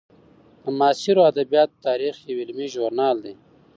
د معاصرو ادبیاتو تاریخ یو علمي ژورنال دی.